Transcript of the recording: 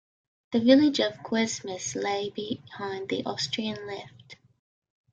The village of Cuesmes lay behind the Austrian left.